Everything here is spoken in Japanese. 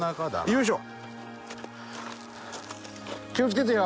よいしょ。